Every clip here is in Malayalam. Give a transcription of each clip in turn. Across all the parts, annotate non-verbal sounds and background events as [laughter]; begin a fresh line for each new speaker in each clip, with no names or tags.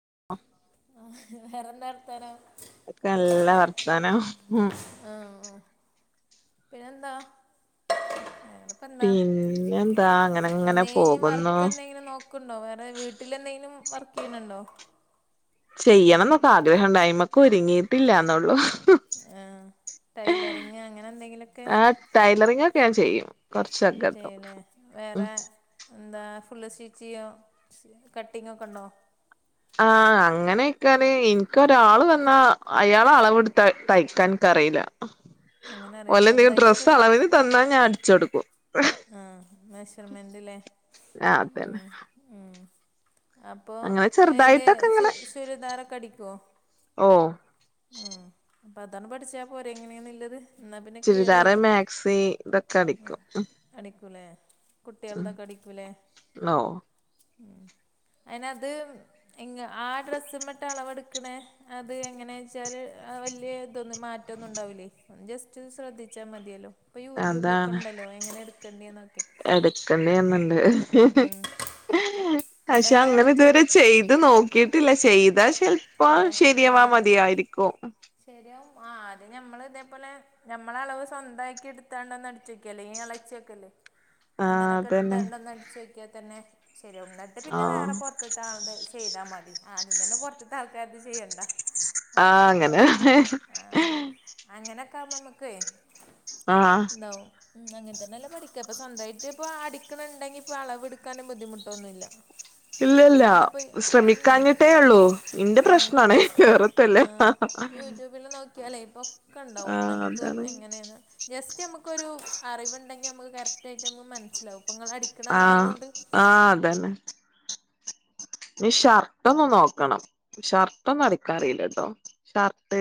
[inaudible]
ആഹ് വേറെന്താർത്താനം
ഒക്കെ നല്ല വർത്താനം ഉം
ആഹ് പിന്നെന്താ പ്പന്താ
പിന്നെന്താ അങ്ങനെ അങ്ങനെ
എന്തേയും
പോകുന്നു
വർക്ക് എന്തെങ്കിലും നോ ക്കുണ്ടോ വേറെ വീട്ടില് എന്തെങ്കിലും വർക്ക് ചെയ്യണുണ്ടോ
ചെയ്യണംന്നൊക്കെ ആഗ്രഹംണ്ട് അയമ്മക്ക് ഒരുങ്ങീട്ടില്ലാന്നോള്ളൂ
ആഹ് ടൈലറിങ് അങ്ങനെ എന്തെങ്കിലുഒക്കെ
ടൈലറിങ്ങക്കെ ഞാൻ ചെയ്യും കൊറച്ചൊക്കെ
ചെയേലേ
ഉം
വേറെ എന്താ ഫുള് സ്റ്റിച്ച് ചെയ്യോ കട്ടിങ്ങൊക്കെണ്ടോ
ആ അങ്ങനെയ്ക്കാന് എനിക്ക് ഒരാള് വന്നാ അയാളാ അളവെടുത്ത തയ്ക്കാൻ ഇക്ക് അറിയില്ല
അങ്ങനെ അറിയില്ല
ഓല് എന്തെങ്കിലും
സ്വന്തമായിട്ടൊക്കെ
ഡ്രസ്സ് അളവിൾ തന്നാ ഞാൻ അടിച്ചടുക്കും
ആഹ് മെഷർമെന്റ്ല്ലേ
ആ
ഉം
അതന്നെ
ഉം അപ്പോ
അങ്ങനെ
ഏത്
ചെറുതായിട്ടൊക്കെ
ചു ചുരിദാരൊക്കെ അടിക്കോ
ഓഹ്
ഉം അപ്പൊ അതാണ് പഠിച്ചാൽ പോരെ എങ്ങനെയെന്നുള്ളത്
ചുരിദാറ് മാക്സി ഇതൊക്കെ അടിക്കും
അടിക്കൂലേ
ഉം
കുട്ടികൾതൊക്കെ അടിക്കൂലേ
ഓ
ഉം അയിന് അത് ആ ഡ്രസ്സ മട്ട അളവെടുക്കണേ അത് എങ്ങനെ വച്ചാല് വലിയ ഇതൊന്നും മാറ്റം ഒന്നും ഉണ്ടാവില്ലേ ജസ്റ്റ് ശ്രദ്ധിച്ചാൽ മതിയല്ലോ ഇപ്പൊ യൂട്യൂബിലൊക്കെ
അതാണ്
ഉണ്ടല്ലോ എങ്ങനെ എടുക്കേണ്ടിന്നൊക്കെ
എടുക്കേണ്ടി വന്ന്ണ്ട്
ഉം
പക്ഷെ അങ്ങനെ ഇതുവരെ ചെയ്ത് നോക്കിട്ടില്ല ചെയ്താ ചെലപ്പം ശരിയാവാ
ആ
മതിയായിരിക്കും ക്കൊ
ശരിയാവും ആ അത് ഞമ്മൾ ഇതേപോലെ ഞമ്മളെ അളവ് സ്വന്ത ആക്കി എടുത്താണ്ടൊന്ന് അടിച്ചൊ ഇളച്ചൊക്കെല്ലേ
ആഹ്
അങ്ങനെയൊക്കെ
അതന്നെ
എടുത്തണ്ട ഒന്ന് അടിച്ചോക്കിയാ തന്നെ ശരി എന്നിട്ട് പിന്നെ വേറെ
ആഹ്
പുറത്തത്തെ ആൾത് ചെയ്താൽ മതി ആദ്യം തന്നെ പുറത്തത്തെ ആൾക്കാർത് ചെയ്യണ്ട
ആഹ് അങ്ങനെ ആണ്
ആഹ് അങ്ങനൊക്കെ ആവുമ്പോ നമുക്കെയ്
ആഹ്
എന്താവും ഉം അങ്ങനെ തന്നെല്ലേ പഠിക്ക അപ്പ സ്വന്തമായിട്ട ഇപ്പൊ അടിക്കണണ്ടെങ്കി ഇപ്പൊ അളവെടുക്കാനും ബുദ്ധിമുട്ടൊന്നുല്ല
ഇല്ലല്ല ശ്രമിക്കാഞ്ഞിട്ടേ ഉള്ളൂ ഇന്റെ പ്രശ്നാണേ വേറത്തൊല്ല
ആഹ് [unintelligible] നോക്കിയാലേ പൊക്കണ്ടാവും നമുക്ക്
അതാണ്
എങ്ങനെയാന്ന് ജസ്റ്റ് നമുക്കൊരു അറിവുണ്ടെങ്കിൽ നമുക്ക് കറക്റ്റായിട്ട് നമുക്ക് മനസ്സിലാവു ഇപ്പൊ ഇങ്ങളാ ണാണ
ആഹ്
കൊണ്ട്
ആഹ് അതന്നെ- ഇനി ഷർട്ട് ഒന്ന് നോക്കണം ഷർട്ട് ഒന്നും അടിക്കാറിയില്ലിട്ടോ ഷർ ത്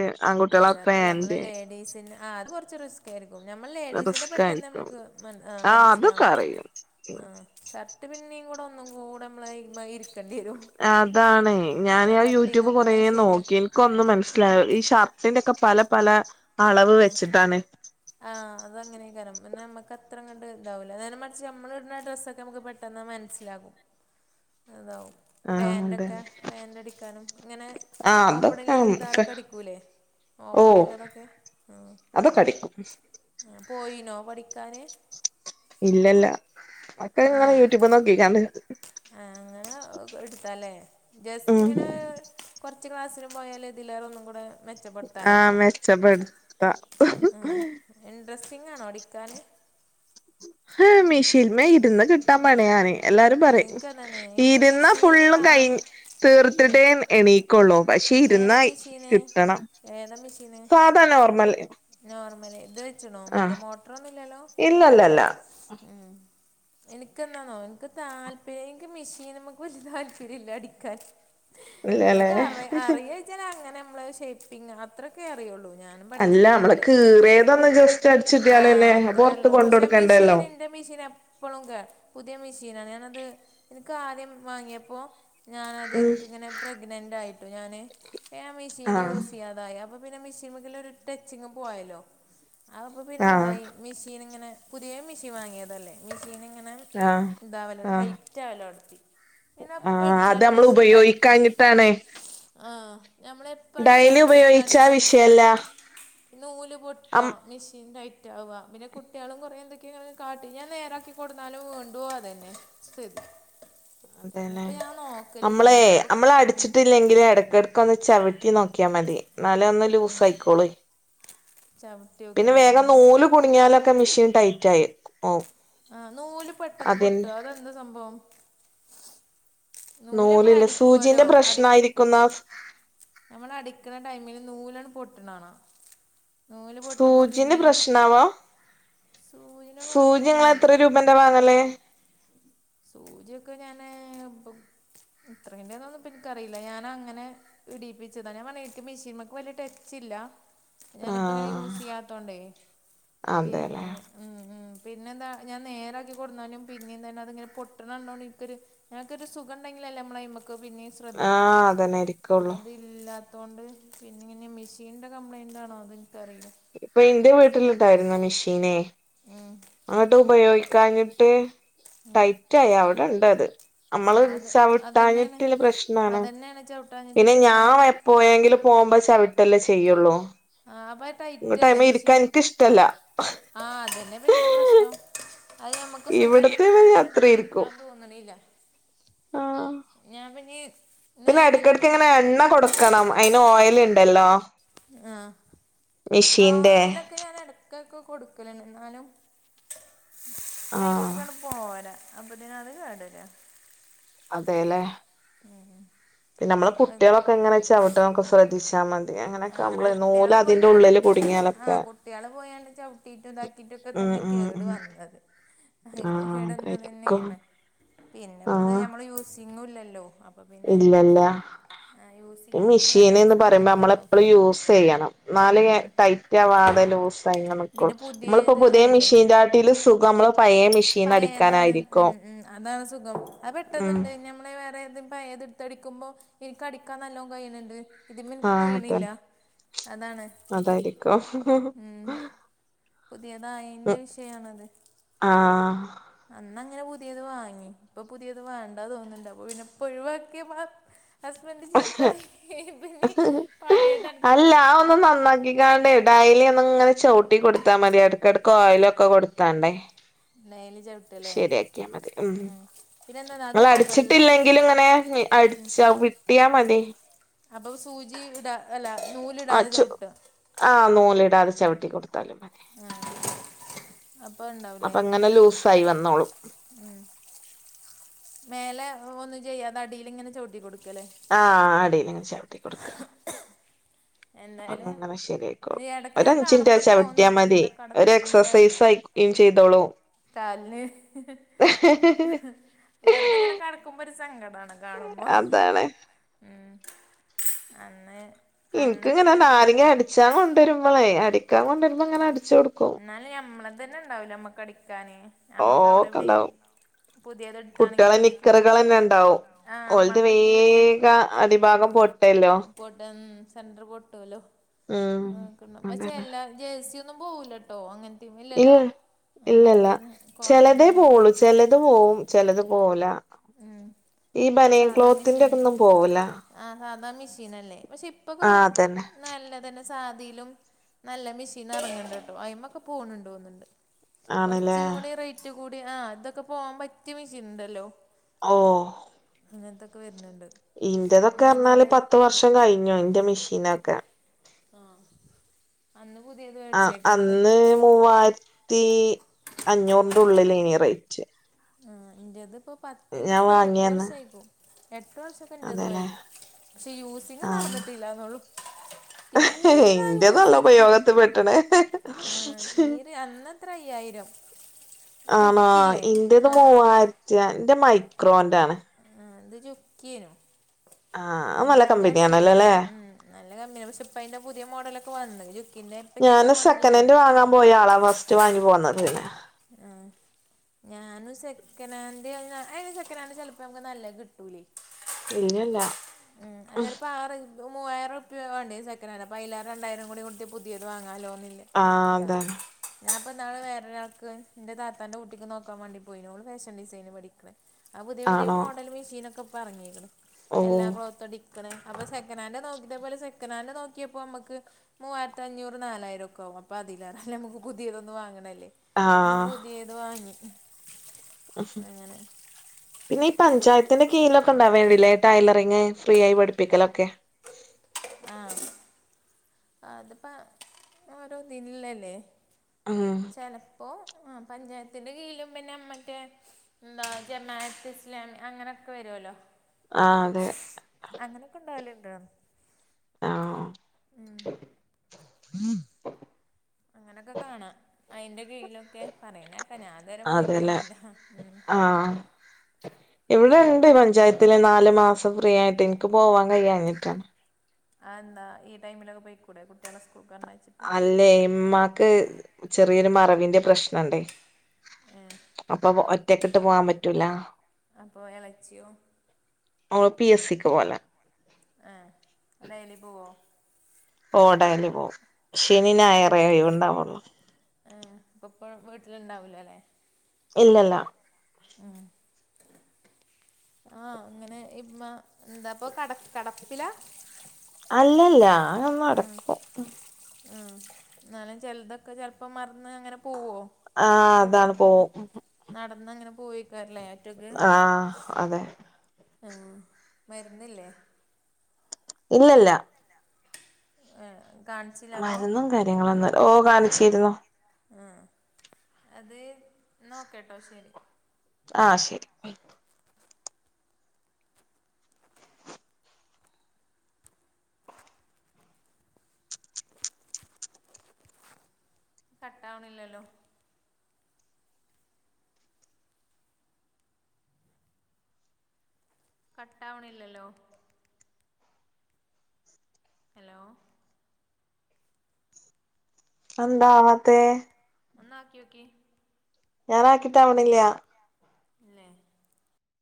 അല്ല
ആൺകുട്ടികളെ
ഷർട്ടല്ല
പാൻ്റ്
[unintelligible] കുറച്ച് റിസ്ക് [unintelligible] നമ്മൾ ലേഡീസിന്റെ
റിസ്ക്
പെട്ടെന്ന്
ആയിരിക്കും
നമുക്ക്
ആഹ് അതൊക്കെ
മനസ്സിലാവും
അറിയും
ആഹ് ഷർട്ട് പിന്നെയും കൂടെ ഒന്നും കൂടെ നമ്മളെ [unintelligible]
അതാാണ് ഞാൻ ആ
കട്ടിങ്
യൂട്യൂബ് കൊറ
ഒക്കെയാണ് ശരിയാ
നോക്കി ഇക്ക് ഒന്നും മനസ്സിലാ ഈ ഷർട്ടിന്റെ ഒക്കെ പല പല അളവ് വെച്ചിട്ടാണ്-
ആഹ് അത് അങ്ങനെക്കാരണം പിന്നെ നമക്ക് അത്ര അങ്ങട്ട് ഇതാവൂല നേരെമറിച്ച് നമ്മൾ ഇടുന്ന ഡ്രസ്സൊക്കെ നമുക്ക് പെ പെട്ടെന്ന് മനസ്സിലാകും അതാവും-
ആ അതെ
പാൻ്റൊക്കെ പാൻ്റ് അടിക്കാനും ഇങ്ങനെ
ആ
ഓപ്പണ്ല്ല
അതൊക്കെ
ചുരിദാറൊക്കെ അടിക്കൂല്ലേ?
ഓ
ഓപ്പൺ ഉള്ളതൊക്കെ ആഹ്
അതൊക്കെ അടിക്കും
പോയിനോ പഠിക്കാന്?
ഇല്ലല്ല മക്കൾ ഇങ്ങനെ യൂട്യൂബ് നോക്കിക്കാണ്ട്
ആഹ് അങ്ങനെ എടുത്തല്ലേ ജസ്റ്റ്
ഉം
ഇങ്ങനെ കുറച്ച് ക്ലാസ്സിന് പോയാല് ഇതിലേറെ ഒന്നും കൂടെ മെച്ചപ്പെടുത്താലോ
ആഹ്
അപ്പോൾ
മെച്ചപെടുത്താ
ആ ഇൻട്രസ്റ്റിംഗ് ആണോ അടിക്കാന്?
ഹാ മിഷീന് മേ ഇരുന്ന് കിട്ടാൻ പണിയാണ് എല്ലാരും പറയും
എനിക്കതാണ് എനിക്ക്
ഇരുന്ന
മെഷീന്
ഫുള്ള് ക്ഴ
കാണുമ്പോൾ ആ
തീർത്തിട്ടേ എണീ ക്കുള്ളൂ പക്ഷെ
ഏതാ
ഇരുന്നായി
മെഷീന്
കിട്ടണം
ഏതാ മെഷീന്
സാധാരണ നോർമൽ-
നോർമൽ ഇത് വെച്ച്ണോ
ആ
മറ്റേ മോട്ടറൊന്നും ഇല്ലല്ലോ?
ഇല്ലല്ലല്ല
ഉം. എനക്ക് എന്താണോ എനിക്ക് താല്പര്യം എനിക്ക് മിഷീനമക്ക് വല താല്പര്യം ഇല്ല അടിക്കാൻ
ഇല്ലാല്ലേ
എനിക്ക് അറി [unintelligible] അങ്ങനെ നമ്മള് ഷേപ്പിങ് അത്രൊക്കെ അറിയുള്ളൂ. ഞാനും
അല്ല നമ്മള്
പഠിച്ചിട്ടൊന്നുല്ല
കീറിയതൊന്ന് ജസ്റ്റ്
ആഹ്
അടിച്ചിട്ടിയാലല്ലേ പൊറത്ത്
അത്രയൊള്ളൂ
കൊണ്ട്
പക്ഷെ
കൊടുക്കണ്ടല്ലോ
മിഷീനി ന്റെ മിഷീൻ എപ്പളും കേടാ പുതിയ മിഷിനാണ് ഞാനത് ഇന്ക് ആദ്യം വാങ്ങിയപ്പോ ഞാനത്
ഉം
ഇൻക്കിങ്ങനെ പ്രഗ്നൻറ് ആയിട്ടോ ഞാന് അപ്പൊ ഞാൻ മെഷീന്
ആഹ്
യൂസ് ചെയ്യാതായി അപ്പോ പ്പോ പിന്നെ മെഷീൻമേക്കുള്ള ഒരു ടച്ചിങ്ങ് പോയല്ലോ അപ്പോ പിന്നെ
ആഹ്
ന്തായി മെഷീൻ ഇങ്ങനെ പുതിയ മെഷീൻ വാങ്ങിയതല്ലേ മെഷീൻ ഇങ്ങനെ
ആഹ്
ഇതാവല്ലോ
ആഹ്
ടൈറ്റ് റ്റാവലോടത്തി പിന്നെ എപ്പോ അടിച്ചാലും മെഷീൻ ടൈറ്റാ-
ത്താണ്
ആഹ് ഞമ്മളെ ഇപ്പൊ
ഡെയ്ലി
പ്പടിച്ചാലും മെഷീൻ
ഉപയോഗിച്ചാ
കഷ്ട്ട
വിഷയല്ല
നൂല്
അം
പൊട്ടാ മെഷീൻ ടൈ വാ പിന്നെ കുട്ട്യാളും കുറെ ന്തൊക്കെയൊങ്ങനെ കാട്ടി ഞാൻ നേരാക്കി കൊടുന്നാലും വീണ്ടും അതന്നെ സ്ഥിതി
അതെല്ലേ
ഇനിയിപ്പോ ഞാൻ നോക്കലില്ല
അമ്മളെ
നമ്മക്കിപ്പോ ഉം
അമ്മളടിച്ചിട്ടില്ലെങ്കി ല് എടക്കെടക്ക് ക്കൊന്ന് ചവിട്ടി നോക്കിയ മതി ന്നാലെ ഒന്ന് ലൂസ് ആയിക്കോളു
ചവി
പിന്നെ വേഗം നൂല് കുടുങ്ങിയാലൊക്കെ മെഷീൻ ടൈറ്റായിക്കും-
ആഹ് നൂല് പെട്ടെന്ന് പൊട്ടും അതെന്താ സംഭവം? നൂല് നമ്മൾ
നൂലില്ലേ
അടിക്കുവല്ലോ
സൂചിന്റെ പ്രശ്നയിരിക്കുംന്ന
നമ്മളടിക്കണ ടൈമില് നൂലണ് പൊട്ടണാണാ നൂല് പൊട്ടുമ്പോ
സൂചിന്റെ
പിന്നെ
പ്രശ്നാവാം
സൂചിന്
സൂചി ഇങ്ങള്
കുഴപ്പൊന്നുമല്ല
എത്ര രൂപന്റെ ഇത്തവാദല്ലേ [unintelligible]
സൂചിയൊക്കെ ഞാന് ഇപ്പൊ എത്രയിന്റെന്നൊന്നും ഇപ്പൊ ഇൻക്കറീല ഞാനങ്ങനെ ഇടീപ്പിച്ചതാ ഞാൻ പറഞ് ഇന്ക് മെഷീൻമക്ക് വല്യ ടെച്ചില്ല- ഞാനിപ്പങ്ങനെ
ആഹ്
യൂസെയ്യാത്തോണ്ടേ
അതെല്ലേ
പിന്നെ ഉം ഉം പിന്നെന്താ ഞാൻ നേരാക്കി കൊടുന്നാലും പിന്നിം തന്നെ അതിങ്ങനെ പൊട്ടിണണ്ടോണ്ട് ഇൻക്കൊരു ഞമ്മക്കൊരു സുഖണ്ടെങ്കിലല്ലേ ഞമ്മളയിമക്ക് പിന്നിം ശ്രദ്ധിക്കുള്ളൂ.
ആഹ് അതന്നെ ആരിക്കുള്ളൂ
അത് ഇല്ലാത്തോണ്ട് പിന്നെ ഇങ്ങനെ മെഷീനിൻ്റെ കംപ്ലയിന്റാണോ അതും ഇൻക്കറീല
ഇപ്പൊ ഇന്റെ വീട്ടിലിണ്ടായിരുന്നു മെഷീനെ
ഉം
അങ്ങട്ട് ഉപയോഗിക്കാഞ്ഞിട്ട്
ഉം
ടൈറ്റായി അവിടെണ്ടത് നമ്മള് ചവിട്ടാഞ്ഞിട്ട്ള്ള പ്രശ്നാണ്.
അതെന്നേണ് ചവിട്ട
പിന്നെ ഞാൻ എപ്പോയെങ്കിലും പോകുമ്പോ ചവിട്ടല്ലേ ചെയ്യുള്ളൂ.
ആഹ് അപ്പ ടൈറ്റല്ലേ
ന്നട്ടയിമെ ഇരിക്കാൻ
മെഷീന്
ഇന്ക് ഇഷ്ടല്ല-
ആഹ് അതന്നെപ്പോ ന്റെ പ്രശ്നം അത് നമ്മക്ക് സുഖം
ഇവിടത്തെമ്മെ ഞാൻ അത്ര ഇരിക്കും
ആയിമെക്കിരിയ്ക്കാൻ തോന്ന ണില്ല
ആഹ്
ഞാൻ പിന്നീ
പിന്നെ എടക്കെടക്ക് ഇങ്ങനെ എണ്ണ കൊടുക്കണം അയിന് ഓയിൽ ണ്ടല്ലോ?
ആഹ് ഓയിലൊക്കെ ഞാൻ എടക്കൊക്കെകൊടുക്കലിണ്ട്. ന്നാലും
ആഹ്
ആയിമ്മക്കണ് പോരാ അപ്പൊതിനത് കേടരാ.
അതേല്ലേ
ഉം
പിന്നമ്മള് കുട്ട്യാളൊക്കെങ്ങനെ ചവിട്ടണതൊക്കെ ശ്രദ്ധിച്ചാ മതി. അങ്ങനെയൊക്കെ
ആഹ്
നമ്മള് നൂല്
കുട്ട്യാള് പോയി
അതിന്റെ ഉള്ളില്
കേടെരുത്തിയെതാണ്
കുടുങ്ങിയാലൊക്കെ
ആഹ് കുട്ട്യാള് പോയാണ്ട് ചവിട്ടിട്ട് ഇതാക്കി ട്ടിപ്പോ
ഉം
തന്നെ
ഉം
കേടു
ഉം
വന്നത്. അങ്ങനെ
ആഹ് അതായിരിക്കും
കേടാന്നതന്നേണ് പിന്നെപ്പൊത്
ആഹ്
നമ്മള് യൂസ് സിങ്ങുല്ലല്ലോ അപ്പൊ പിന്നെ
ഇല്ലല്ല
യൂസ് ചെയ്യുമ്പളല്ലേ ഇത് സ്മൂത്ത് ണ്ടാവു.
നമ്മള് യൂസെയ്യണം. ന്നാലെ ടൈറ്റ് ആവാതെ ലൂസായിങ് നിക്കൊള്ളു
പിന്നെ
മ്മളിപ്പോ
പുതിയത്
പുതിയ മിഷീൻന്റെ ക്കാട്ടിലും സുഖം മ്മളെ പഴേ മിഷീ
പഴേതാണ് ഉം ഉം അതാണ് സുഖം അത്
ഉം
പെട്ടെന്ന്ണ്ട് നമ്മള് വേറെ ഏത് പയേതെട്ത്തടിക്കുമ്പോ എനിക്കടിക്കാൻ നല്ലോം കഴിയണ് ണ്ട്. ഇതിമ്മെനിക്ക്
ആഹ്
കഴിയണില്ല.
അതന്നെ
അതാണ്
അതായിരിക്കും
ഉം പുതിയതായേന്റെ വിഷയാണത്.
ആഹ്
അന്നങ്ങനെ പുതിയത് വാങ്ങി. ഇപ്പൊ പുതിയത് വേണ്ടാ തോന്ന്ണ്ട് അപ്പൊ പിന്നെ ഇപ്പോഴിവാക്കിയ മാ ഹസ്ബൻഡ് ചീത്തറയില്ലേ? ഇനിപ്പിന്നി പഴേതെട്ത്ത് അനക്
യാണ്ടേ ഡെയിലി ഒന്നുങ്ങനെ ചവുട്ടി കൊടുത്താ മതി. എടക്കെടക്കോയിലൊക്ക കൊടുത്താണ്ടേ
ഡെയിലി ചെലപ്
ശരിയാക്കിയാ മതി. ഉം
പിന്നെന്താന്നാ അത് മുകളിലാണ്
നിങ്ങളടിച്ചിട്ടില്ലെങ്കിലിങ്ങനേ ഇനി അടിച്ചാ വിട് ട്ടിയാ മതി.
അപ്പൊ സൂചി ഇടാ അല്ല നൂലിടാതെ ചവിട്ട് ആ
ആഹ് നൂലിടാതെ ചവിട്ടി കൊടുത്താലും മതി.
ആഹ് അപ്പ ഇണ്ടാവു
അപ്പങ്ങനെ ലൂസായി വന്നോളും.
ഉം മേലെ ഒന്നും ചെയ്യാതെ അടീലിങ്ങനെ ചവുട്ടി കൊടുക്കാല്ലേ?
ആഹ് അടീലിങ്ങനെ ചവിട്ടി കൊടുക്ക്അ അ
എന്തായാലും
അങ്ങനെ ശരിയായിക്കോളും.
ഇടക്ക് ഇങ്ങനെ കാണുമ്പോ
ഒരഞ്ചിൻറ്റത്
തോന്നും
ചവുട്ടിയാ മതി
വെറുതെ കടക്കും
ഒരെക്സസൈസായിക്കോ ൽ ചെയ്തോളും.
കാല്ല് വെറുതിങ്ങനെ കെടക്കുമ്പൊരു സങ്കടാണൽ കാണുമ്പോ
അതാണ്
ഉം അന്ന് അന്നിപ്പോ എത്ര
ഇനിക്കിങ്ങനന്നാരെങ്ങി അടിച്ചാൻ കൊണ്ടരുമ്പളേ അടി
എന്നാല് ഞമ്മളതന്നെണ്ടാവൂലേ നമ്മക്കടിക്കാന് നമ്മക്കവിടെവിടീ
കുട്ടികള നിക്കറ്കളന്നെ ഇണ്ടാവും.
ആ
ഓൽത്
നമ്മളത് കീറിയ
വേഗാ അടിഭാഗം പൊട്ടല്ലോ?
പൊടന്ന് സെന്റർ പൊട്ടുവല്ലോ
ഉം
[unintelligible]
അതന്നെ
അ ജേഴ്സിയൊന്നും പോവൂലട്ടോ അങ്ങനത്തിമ്മ
ഇല്ല
ഇല്ലല്ലോ ആഹ് മറ്റേത് കോട്ടനങ്ങൻ
ചെലത് പോവും ചെലത് പോവൂല
ഉം
ഈ ബനിയൻ ക്ലോത്തിന്റതൊന്നും പോവൂല.
ആഹ് സാധാ മിഷീനല്ലേ പക്ഷെ ഇപ്പൊക്കോ
ആ അതന്നെ
നല്ലതന്നെ സാദീലും നല്ല മിഷീനെറങ്ങണ്ട്ട്ടോ അയിമ്മൊക്ക പോണ് ണ്ട് തോന്ന്ണ്ട്.
ആണല്ലേ
കൊറച്ച്ങ്ങൂടി റേറ്റ് കൂടിയ ആഹ് ഇതൊക്കെ പോവാൻ പറ്റിയ മിഷീന്ണ്ടല്ലോ
ഓ
അങ്ങനത്തൊക്ക വര്ണ് ണ്ട്
ഇന്റതൊക്കെ അറന്നാല് പത്ത് വർഷം കഴിഞ്ഞു ഇന്റ മിഷീനൊക്കെ.
ആഹ് അന്ന് പുതിയത് വേ
ആഹ് അന്ന് മൂവായിരത്തീ അഞ്ഞൂറിൻ്റുള്ളിലേനീ റെയ്റ്റ്
ആഹ് ഇൻ്റേതിപ്പോ
ഞാൻ
പത്തില്ലെങ്കിലൊരെട്ട്
വാങ്ങിയന്ന്
വർഷായിപ്പൂ എട്ടു വർഷ
അതെല്ലേ
പ്പെൻ്റതുവായി പക്ഷെ യൂസിങ്
ആ
നടന്നിട്ടില്ലാന്നൊള്ളൂ. തീരെ യൂസെയ്തിട്ടില്ല.
ട്ട്ണ്
ആഹ് തീരെ അന്നെത്ര അയ്യായിരം
ആണോ
ജുക്കില്ലേ
ഇൻ്റത്
ആഹ്
മൂവായിരത്തിയ ൻ്റെ മൈക്രോൻ്റാണ്.
ആഹ് അന്ന് ജുക്കിയേനു
ആ അത് നല്ല
അന്നഞ്ച്
കമ്പനി
വർഷത്
ആണല്ലോ അല്ലേ
ഉം നല്ല കമ്പനിയ പക്ഷിപ്പയിന്റ പുതിയ മോഡലൊക്കെ വന്ന് ജുക്കിന്റെ ഇപ്പിങ്ങൻത്ത മോഡലില്ല.
മ്പോയാളാ ഫസ്റ്റ് വാങ്ങി പോന്നത് പിന്നെ
ആഹ് ഞാനും സെക്കനാൻ്റ് പറ്ഞ്ഞ അയിന് സെക്കനാൻ്റ് ചെലപ്പ നമ്ക്ക് നല്ലയ് കിട്ടൂലേ
ഇല്ലല്ലോ
ഉം അത്ചെലപ്പോ ആറ് മൂവായിരംറുപ്യ വാണ്ടേ സെക്കനന്റ് അപ്പൊ അയ്‌ലരണ്ടായിരംകൂടികൂട്യ പുതിയത് വാങ്ങാലോന്നില്ല
ആ അതാണ്
[unintelligible] ഞാൻപ്പോ നാള് വേറെരാൾക്ക് ഇന്റെ താത്താന്റെ കുട്ടിക്ക് നോക്കാവേണ്ടി പോയിനു ഓള് ഫാഷൻഡിസൈൻ പഠിക്ക്ണ. ആ
ആണോ
പുതിയപുതിയമോഡൽ മിഷീനൊക്കപ്പറങ്ങീക്ക്ണ്
ഓ
എല്ലാക്ലോത്തടിക്കണഅപ്പൊ സെക്കനാൻഡ്‌ നോക്കിപോലെ സെക്കനാൻഡ്‌ നോക്കിയപ്പോമ്മക്ക് മൂവായിരത്തിഅഞ്ഞൂറ് നാലായിരം ഒക്കെആവും. അപ്പൊ അതിലേറെ നമുക്ക് പുതിയതൊന്ന് വാങ്ങണല്ലേ
ആ
ഞാൻ പുതിയത്‌വാങ്ങി.
[inaudible] പിന്നെ ഈ പഞ്ചായത്തിന്റെ കീഴിലൊക്കെ ഉണ്ടാവേണ്ടില്ലേ ടൈലറിങ്ഫ്രീആയിപഠിപ്പിക്കലൊക്കെ?
ആഹ്അതിപ്പ ഓരോദിൽള്ളല്ലേ
ഉം
ചെലപ്പോ ആ പഞ്ചായത്തിന്റെകിഴിലും പിന്നെമറ്റേ എന്താ ജമാഅത്ത് ഇസ്ലാം അങ്ങനൊക്കെ വരോല്ലോ
ആഹ് അതെ
അങ്ങനൊക്കെ ഉണ്ടാവലുണ്ടോ?
ആഹ്
അങ്ങനൊക്കെകാണാ അയിന്റെ കീഴയിലൊക്കെ പറയുണേക്ക ഞാന് ഇതുവരെ
അതെല്ലേ
പോയിട്ടോന്നില്ല. ഉം
ഇവിടെണ്ട് പഞ്ചായത്തില്നാല്മാസം ഫ്രീആയിട്ട് ൻക്ക് പോവാകയാഞ്ഞിട്ട.
ആന്താ ഈ ടൈമിലൊകെ പൊയ്ക്കൂടേകുട്ട്യോളെ സ്കൂൾക്ക് പറ്ഞ്ഞയ്ച്ച്
അല്ലേ ഇമ്മാക്ക് ചെറിയൊരു മറവിന്റെ പ്രശ്നണ്ടയ്
ഏ
അപ്പൊ ഒറ്റക്കിട്ട് പോവാൻപറ്റൂല.
അപ്പൊഎളച്യോ?
ഓള് പി എ സിക്ക് പോവല്
ഏഹ് ഡയ്ലി പോവോ?
ഓഹ് ഡെയ്ലി പോവും. ശനിം നായറെ യ്‌വ് ണ്ടാവുള്ളൂ.
ആ അപ്പപ്പോഴും വീട്ടിലുണ്ടാവൂലാല്ലേ
ഇല്ലല്ല
ഉം ആഹ് ഇങ്ങനെഇമ്മ എന്താപ്പൊ കട കടപ്പിലാ?
അല്ലല്ല അതൊന്നും
ആഹ്
നടക്കും
ആഹ് ന്നാലും ചെൽതൊക്കെ ചെൽപ്പം മറന്ന് അങ്ങനെ പോവോ?
ആഹ്
റോട്ട്
അതാണ് പോവും
നടന്നങ്ങനെ പോവേക്കാരല്ലേ
ആഹ് അതെ
ആ മര്ന്നില്ലേ?
ഇല്ലല്ല
ഏഹ്
മരുന്നും കാര്യങ്ങളൊന്നു ഓഹ് കാണിച്ചിരുന്നു
ആഹ് അതേ ന്നാ ഓകേട്ടോ ശെരി
ആഹ് ശെരി
കട്ടാവ്ണില്ലല്ലോ. കട്ടാവ്ണില്ലല്ലോ അലോ
അതെന്താവാത്തേ?
ഒന്നാക്യോകി
ഞാനാക്കിട്ടാവ്ണില്യാ.
ഇല്ലെ